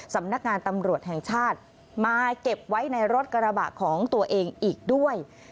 สำนักงานตำรวจแห่งชาติมาเก็บไว้ในรถกระบะของตัวเองอีกด้วย